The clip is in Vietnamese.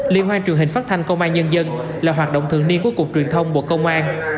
liên hoan truyền hình phát thanh công an nhân dân là hoạt động thường niên của cục truyền thông bộ công an